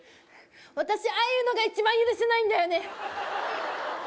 私ああいうのが一番許せないんだよね